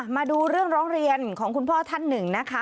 มาดูเรื่องร้องเรียนของคุณพ่อท่านหนึ่งนะคะ